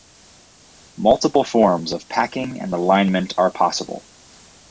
Multiple forms of packing and alignment are possible.